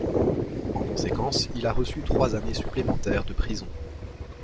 En conséquence, il a reçu trois années supplémentaires de prison.